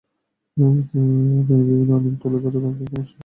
তিনি বিভিন্ন অনিয়ম তুলে ধরে ব্যাংকিং কমিশন গঠনের প্রয়োজনীয়তা তুলে ধরেন।